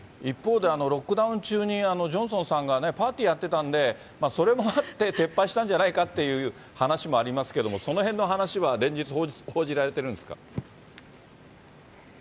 一方でロックダウン中に、ジョンソンさんがパーティーやってたんで、それもあって、撤廃したんじゃないかっていう話もありますけども、そのへんの話は連日、報じられているんですか？